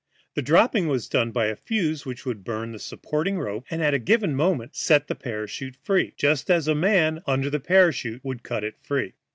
The dropping was done by a fuse which would burn the supporting rope and at a given moment set the parachute free, just as a man under the parachute would cut it free.